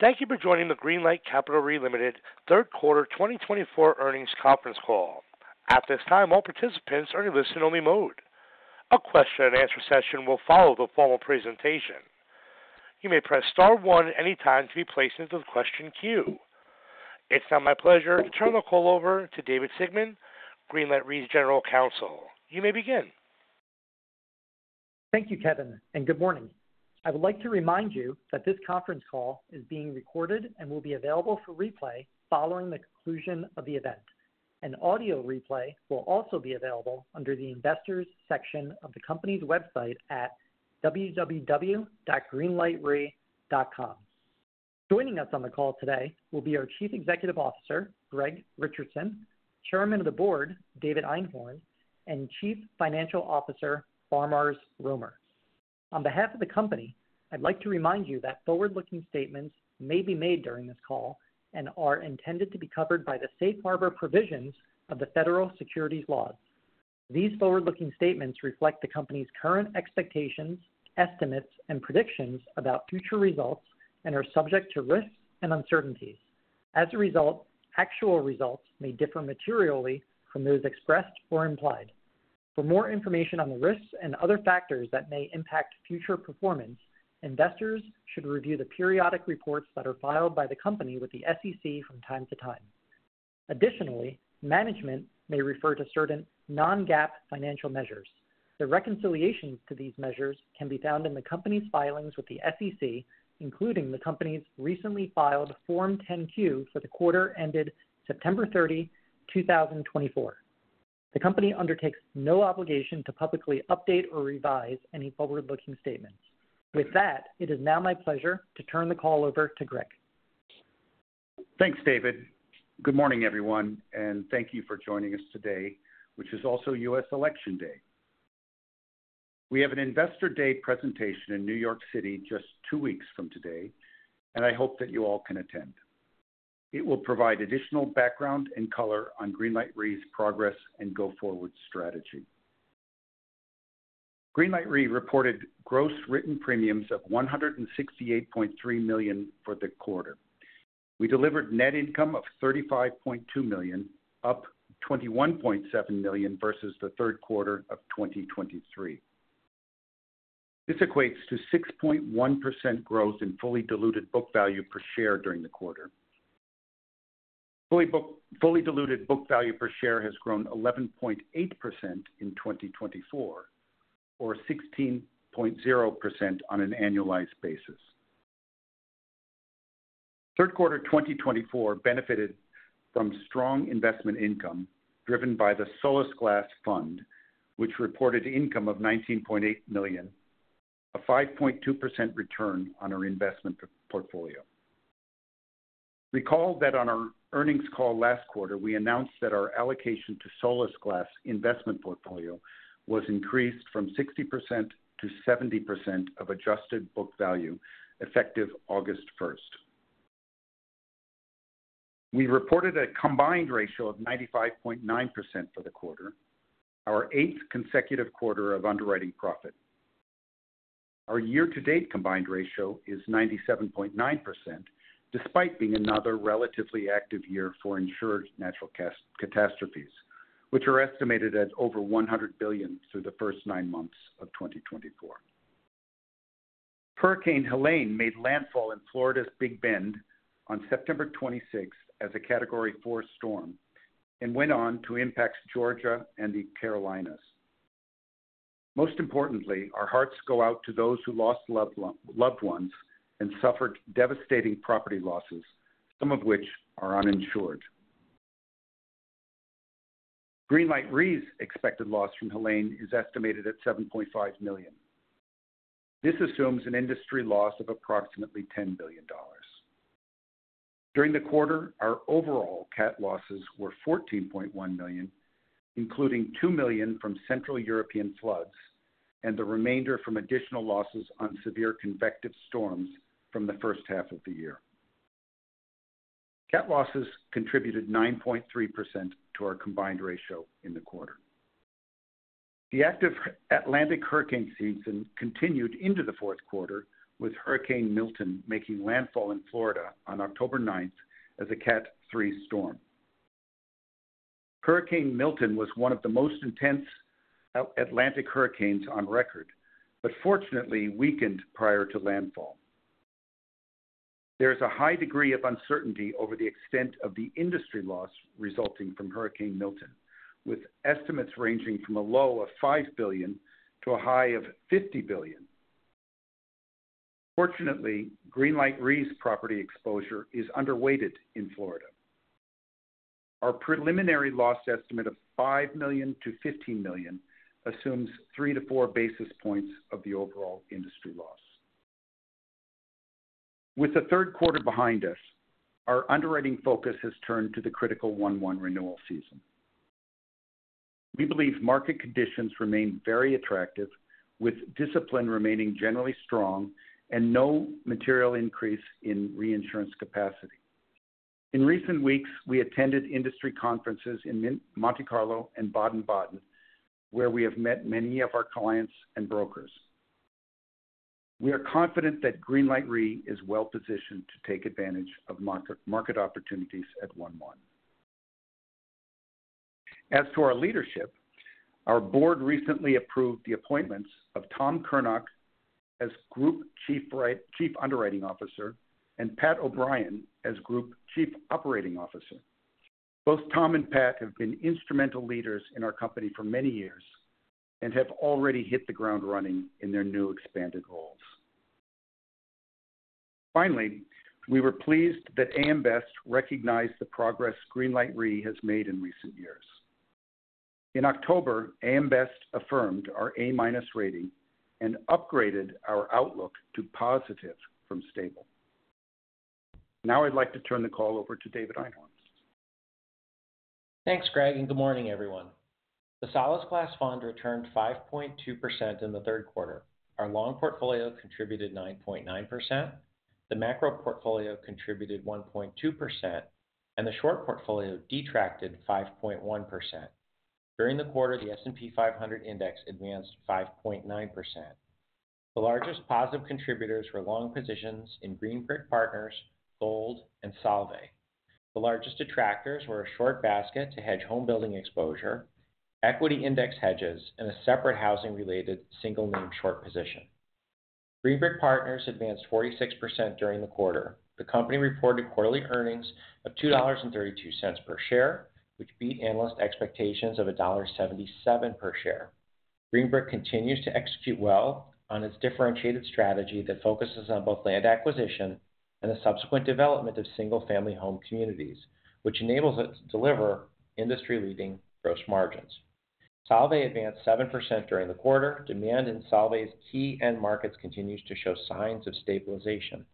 Thank you for joining the Greenlight Capital Re Limited third quarter 2024 earnings conference call. At this time, all participants are in listen-only mode. A question-and-answer session will follow the formal presentation. You may press star one at any time to be placed into the question queue. It's now my pleasure to turn the call over to David Sigman, Greenlight Re's general counsel. You may begin. Thank you, Kevin, and good morning. I would like to remind you that this conference call is being recorded and will be available for replay following the conclusion of the event. An audio replay will also be available under the investors section of the company's website at www.greenlightre.com. Joining us on the call today will be our Chief Executive Officer, Greg Richardson, Chairman of the Board, David Einhorn, and Chief Financial Officer, Faramarz Romer. On behalf of the company, I'd like to remind you that forward-looking statements may be made during this call and are intended to be covered by the safe harbor provisions of the federal securities laws. These forward-looking statements reflect the company's current expectations, estimates, and predictions about future results and are subject to risks and uncertainties. As a result, actual results may differ materially from those expressed or implied. For more information on the risks and other factors that may impact future performance, investors should review the periodic reports that are filed by the company with the SEC from time to time. Additionally, management may refer to certain non-GAAP financial measures. The reconciliations to these measures can be found in the company's filings with the SEC, including the company's recently filed Form 10-Q for the quarter ended September 30, 2024. The company undertakes no obligation to publicly update or revise any forward-looking statements. With that, it is now my pleasure to turn the call over to Greg. Thanks, David. Good morning, everyone, and thank you for joining us today, which is also U.S. Election Day. We have an Investor Day presentation in New York City just two weeks from today, and I hope that you all can attend. It will provide additional background and color on Greenlight Re's progress and go forward strategy. Greenlight Re reported gross written premiums of $168.3 million for the quarter. We delivered net income of $35.2 million, up $21.7 million versus the third quarter of 2023. This equates to 6.1% growth in fully diluted book value per share during the quarter. Fully diluted book value per share has grown 11.8% in 2024, or 16.0% on an annualized basis. Third quarter 2024 benefited from strong investment income driven by the Solasglas Fund, which reported income of $19.8 million, a 5.2% return on our investment portfolio. Recall that on our earnings call last quarter, we announced that our allocation to Solasglas investment portfolio was increased from 60% to 70% of adjusted book value effective August 1st. We reported a combined ratio of 95.9% for the quarter, our eighth consecutive quarter of underwriting profit. Our year-to-date combined ratio is 97.9%, despite being another relatively active year for insured natural catastrophes, which are estimated at over $100 billion through the first nine months of 2024. Hurricane Helene made landfall in Florida's Big Bend on September 26th as a category four storm and went on to impact Georgia and the Carolinas. Most importantly, our hearts go out to those who lost loved ones and suffered devastating property losses, some of which are uninsured. Greenlight Re's expected loss from Helene is estimated at $7.5 million. This assumes an industry loss of approximately $10 billion. During the quarter, our overall CAT losses were $14.1 million, including $2 million from Central European floods and the remainder from additional losses on severe convective storms from the first half of the year. CAT losses contributed 9.3% to our combined ratio in the quarter. The active Atlantic hurricane season continued into the fourth quarter, with Hurricane Milton making landfall in Florida on October 9th as a Cat 3 storm. Hurricane Milton was one of the most intense Atlantic hurricanes on record, but fortunately weakened prior to landfall. There is a high degree of uncertainty over the extent of the industry loss resulting from Hurricane Milton, with estimates ranging from a low of $5 billion-$50 billion. Fortunately, Greenlight Re's property exposure is underweighted in Florida. Our preliminary loss estimate of $5 million-$15 million assumes three to four basis points of the overall industry loss. With the third quarter behind us, our underwriting focus has turned to the critical 1/1 renewal season. We believe market conditions remain very attractive, with discipline remaining generally strong and no material increase in reinsurance capacity. In recent weeks, we attended industry conferences in Monte Carlo and Baden-Baden, where we have met many of our clients and brokers. We are confident that Greenlight Re is well positioned to take advantage of market opportunities at 1/1. As to our leadership, our board recently approved the appointments of Tom Curnock as Group Chief Underwriting Officer and Pat O’Brien as Group Chief Operating Officer. Both Tom and Pat have been instrumental leaders in our company for many years and have already hit the ground running in their new expanded roles. Finally, we were pleased that AM Best recognized the progress Greenlight Re has made in recent years. In October, AM Best affirmed our A- rating and upgraded our outlook to positive from stable. Now I'd like to turn the call over to David Einhorn. Thanks, Greg, and good morning, everyone. The Solasglas Fund returned 5.2% in the third quarter. Our long portfolio contributed 9.9%. The macro portfolio contributed 1.2%, and the short portfolio detracted 5.1%. During the quarter, the S&P 500 index advanced 5.9%. The largest positive contributors were long positions in Green Brick Partners, Gold, and Solvay. The largest detractors were a short basket to hedge home building exposure, equity index hedges, and a separate housing-related single-name short position. Green Brick Partners advanced 46% during the quarter. The company reported quarterly earnings of $2.32 per share, which beat analyst expectations of $1.77 per share. Green Brick Partners continues to execute well on its differentiated strategy that focuses on both land acquisition and the subsequent development of single-family home communities, which enables it to deliver industry-leading gross margins. Solvay advanced 7% during the quarter. Demand in Solvay's key end markets continues to show signs of stabilization.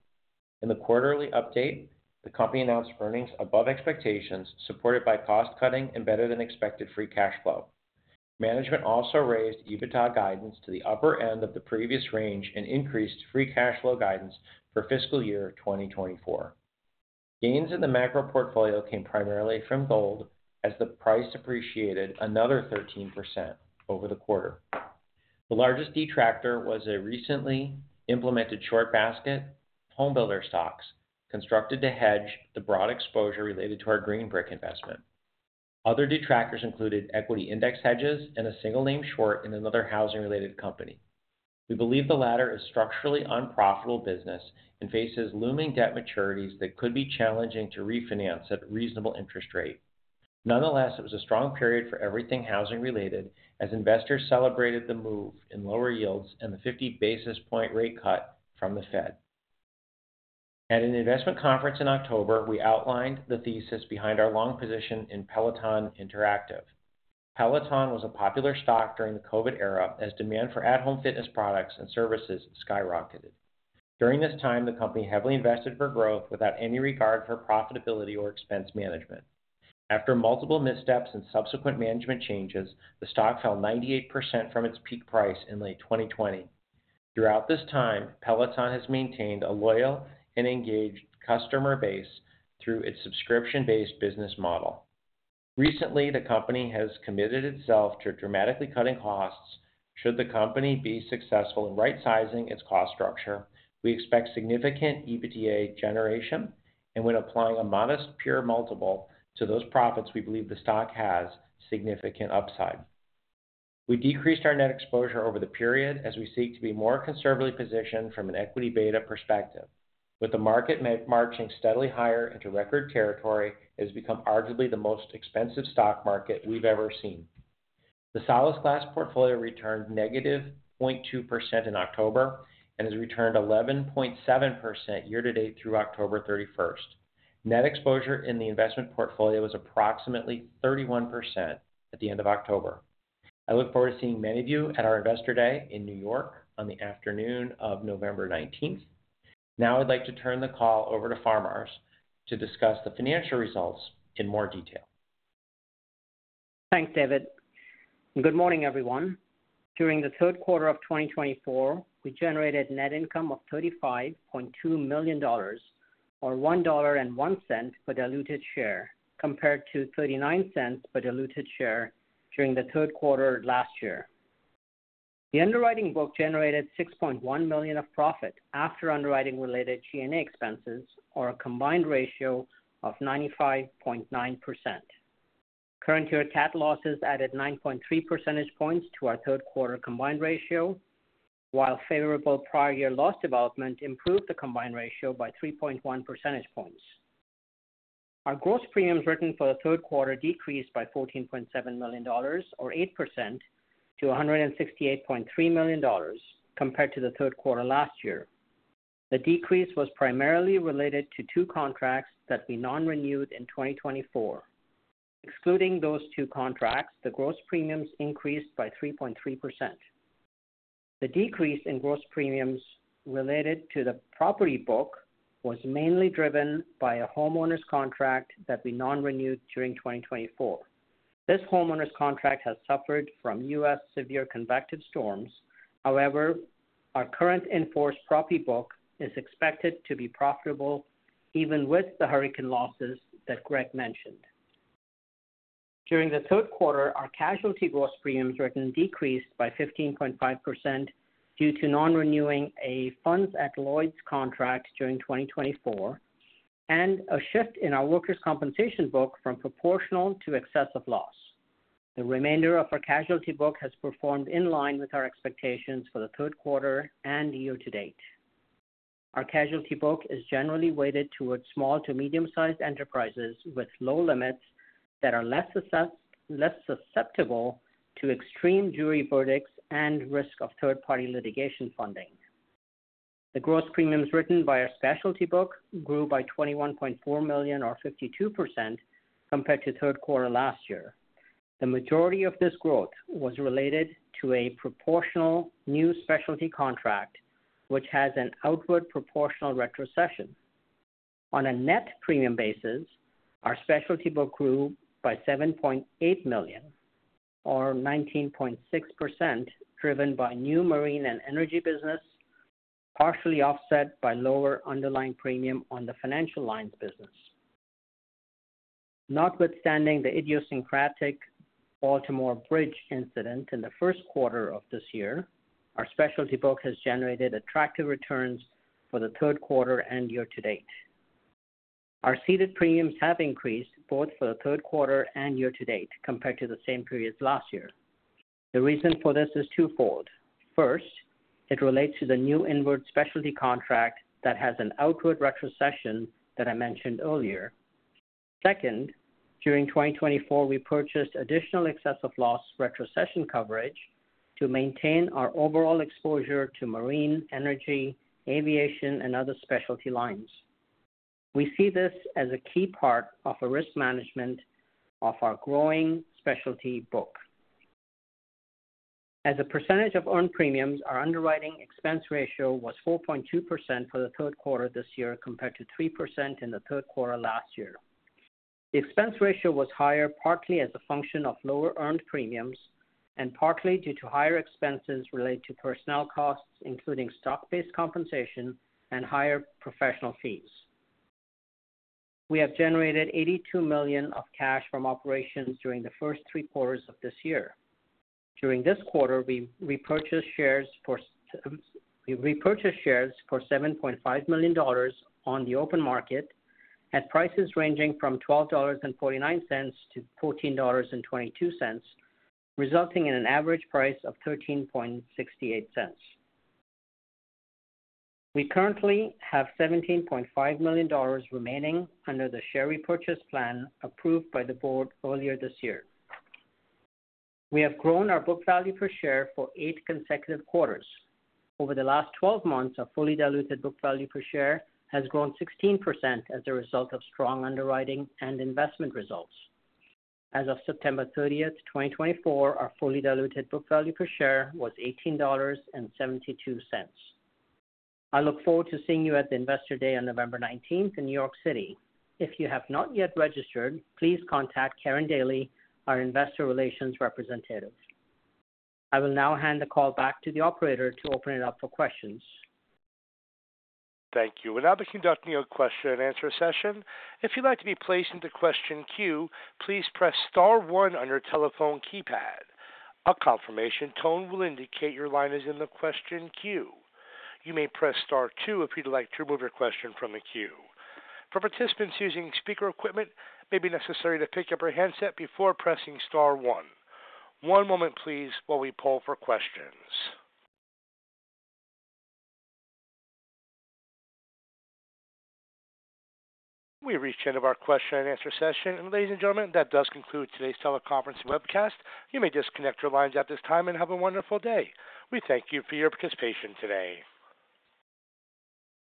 In the quarterly update, the company announced earnings above expectations, supported by cost-cutting and better-than-expected free cash flow. Management also raised EBITDA guidance to the upper end of the previous range and increased free cash flow guidance for fiscal year 2024. Gains in the macro portfolio came primarily from Gold, as the price appreciated another 13% over the quarter. The largest detractor was a recently implemented short basket, homebuilder stocks, constructed to hedge the broad exposure related to our Green Brick investment. Other detractors included equity index hedges and a single-name short in another housing-related company. We believe the latter is structurally unprofitable business and faces looming debt maturities that could be challenging to refinance at a reasonable interest rate. Nonetheless, it was a strong period for everything housing-related, as investors celebrated the move in lower yields and the 50 basis point rate cut from the Fed. At an investment conference in October, we outlined the thesis behind our long position in Peloton Interactive. Peloton was a popular stock during the COVID era as demand for at-home fitness products and services skyrocketed. During this time, the company heavily invested for growth without any regard for profitability or expense management. After multiple missteps and subsequent management changes, the stock fell 98% from its peak price in late 2020. Throughout this time, Peloton has maintained a loyal and engaged customer base through its subscription-based business model. Recently, the company has committed itself to dramatically cutting costs. Should the company be successful in right-sizing its cost structure, we expect significant EBITDA generation, and when applying a modest peer multiple to those profits, we believe the stock has significant upside. We decreased our net exposure over the period as we seek to be more conservatively positioned from an equity beta perspective. With the market marching steadily higher into record territory, it has become arguably the most expensive stock market we've ever seen. The Solasglas portfolio returned negative 0.2% in October and has returned 11.7% year-to-date through October 31st. Net exposure in the investment portfolio was approximately 31% at the end of October. I look forward to seeing many of you at our Investor Day in New York on the afternoon of November 19th. Now I'd like to turn the call over to Faramarz to discuss the financial results in more detail. Thanks, David. Good morning, everyone. During the third quarter of 2024, we generated net income of $35.2 million, or $1.01 per diluted share, compared to $0.39 per diluted share during the third quarter last year. The underwriting book generated $6.1 million of profit after underwriting-related G&A expenses, or a combined ratio of 95.9%. Current year, CAT losses added 9.3 percentage points to our third quarter combined ratio, while favorable prior year loss development improved the combined ratio by 3.1 percentage points. Our gross premiums written for the third quarter decreased by $14.7 million, or 8%, to $168.3 million compared to the third quarter last year. The decrease was primarily related to two contracts that we non-renewed in 2024. Excluding those two contracts, the gross premiums increased by 3.3%. The decrease in gross premiums related to the property book was mainly driven by a homeowner's contract that we non-renewed during 2024. This homeowner's contract has suffered from U.S. severe convective storms. However, our current in-force property book is expected to be profitable even with the hurricane losses that Greg mentioned. During the third quarter, our casualty gross premiums written decreased by 15.5% due to non-renewing a Funds at Lloyd's contract during 2024 and a shift in our workers' compensation book from proportional to excess of loss. The remainder of our casualty book has performed in line with our expectations for the third quarter and year-to-date. Our casualty book is generally weighted toward small to medium-sized enterprises with low limits that are less susceptible to extreme jury verdicts and risk of third-party litigation funding. The gross premiums written by our specialty book grew by $21.4 million, or 52%, compared to third quarter last year. The majority of this growth was related to a proportional new specialty contract, which has an outward proportional retrocession. On a net premium basis, our specialty book grew by $7.8 million, or 19.6%, driven by new marine and energy business, partially offset by lower underlying premium on the financial lines business. Notwithstanding the idiosyncratic Baltimore Bridge incident in the first quarter of this year, our specialty book has generated attractive returns for the third quarter and year-to-date. Our ceded premiums have increased both for the third quarter and year-to-date compared to the same periods last year. The reason for this is twofold. First, it relates to the new inward specialty contract that has an outward retrocession that I mentioned earlier. Second, during 2024, we purchased additional excess of loss retrocession coverage to maintain our overall exposure to marine, energy, aviation, and other specialty lines. We see this as a key part of our risk management of our growing specialty book. As a percentage of earned premiums, our underwriting expense ratio was 4.2% for the third quarter this year compared to 3% in the third quarter last year. The expense ratio was higher partly as a function of lower earned premiums and partly due to higher expenses related to personnel costs, including stock-based compensation and higher professional fees. We have generated $82 million of cash from operations during the first three quarters of this year. During this quarter, we repurchased shares for $7.5 million on the open market at prices ranging from $12.49 to $14.22, resulting in an average price of $13.68. We currently have $17.5 million remaining under the share repurchase plan approved by the board earlier this year. We have grown our book value per share for eight consecutive quarters. Over the last 12 months, our fully diluted book value per share has grown 16% as a result of strong underwriting and investment results. As of September 30th, 2024, our fully diluted book value per share was $18.72. I look forward to seeing you at the Investor Day on November 19th in New York City. If you have not yet registered, please contact Karen Daley, our investor relations representative. I will now hand the call back to the operator to open it up for questions. Thank you. We're now beginning our question-and-answer session. If you'd like to be placed into question queue, please press Star 1 on your telephone keypad. A confirmation tone will indicate your line is in the question queue. You may press Star 2 if you'd like to remove your question from the queue. For participants using speaker equipment, it may be necessary to pick up your handset before pressing Star 1. One moment, please, while we poll for questions. We've reached the end of our question-and-answer session. Ladies and gentlemen, that does conclude today's teleconference webcast. You may disconnect your lines at this time and have a wonderful day. We thank you for your participation today.